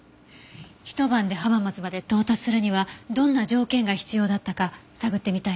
ひと晩で浜松まで到達するにはどんな条件が必要だったか探ってみたいわ。